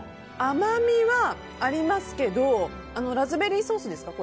甘みはありますけどラズベリーソースですか？